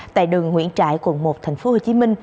tại đường nguyễn trãi quận một tp hcm